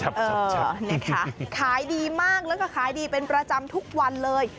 ชอบนะคะขายดีมากแล้วก็ขายดีเป็นประจำทุกวันเลย